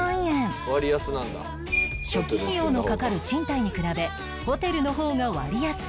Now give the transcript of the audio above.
初期費用のかかる賃貸に比べホテルの方が割安